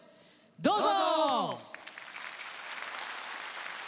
どうぞ。